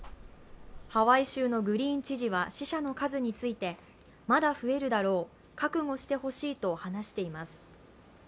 ハワイ州のグリーン知事は死者の数についてまだ増えるだろう覚悟してほしいと話しています。